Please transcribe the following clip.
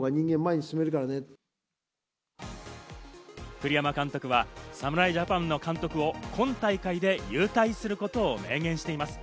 栗山監督は侍ジャパンの監督を今大会で勇退することを明言しています。